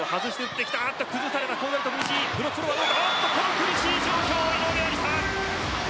苦しい状況、井上愛里沙。